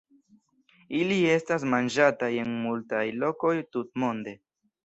Ili estas manĝataj en multaj lokoj tutmonde.